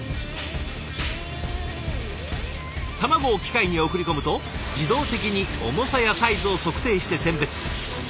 卵を機械に送り込むと自動的に重さやサイズを測定して選別。